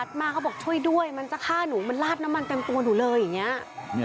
มันได้ยินชัดมาเขาบอกช่วยด้วยมันจากข้าหนูมันลาดน้ำมันเต็มตัวหนูเลยอย่างเนี่ย